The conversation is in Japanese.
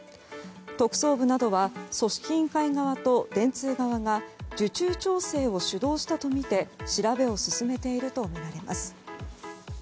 特捜部などは組織委員会側と電通側が受注調整を主導したとみて調べを進めているとみられます。